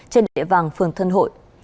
trên địa vàng phường thân hội